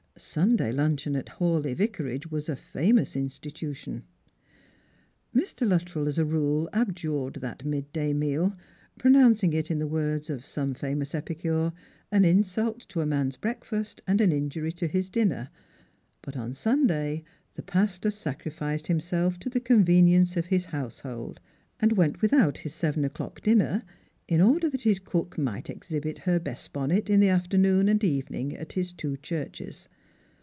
Sunday luncheon at Hawleigh Vicarage was a famous insti tution. Mr. Luttrell, as a rule, abjui'ed that mid day meal, pronouncing it, in the words of some famous epicure, " an insult to a man's breakfast, and an injury to his dinner." Buu on Sunday the pastor sacrificed iTlmself to the convenience of hia household, and went without his seven o'clock dinner, in order that his cook might exhibit her best bonnet in the after noon and evening a*, his two churches.